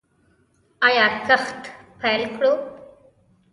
آیا کښت پیل کړو؟